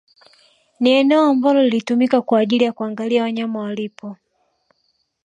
Ni eneo ambalo lilitumika kwa ajili ya kuangalia wanyama walipo